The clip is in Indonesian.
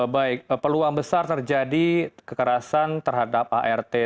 baik peluang besar terjadi kekerasan terhadap art